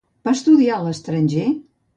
Va estudiar a l'estranger?